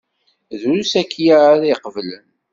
Drus akya ara iqeblen.